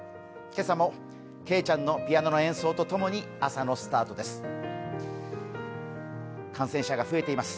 今朝もけいちゃんのピアノの演奏とともに朝のスタートです。